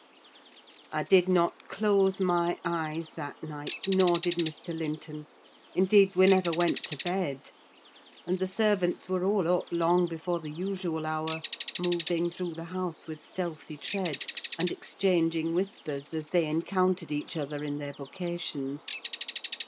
I did not close my eyes that night, nor did Mr. Linton: indeed, we never went to bed; and the servants were all up long before the usual hour, moving through the house with stealthy tread, and exchanging whispers as they encountered each other in their vocations.